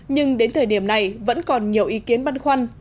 nhưng đến thời điểm này vẫn còn nhiều ý kiến băn khoăn